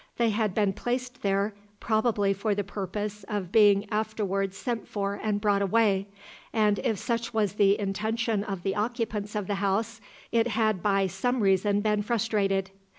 They had been placed there probably for the purpose of being afterwards sent for and brought away, and if such was the intention of the occupants of the house it had by some reason been frustrated.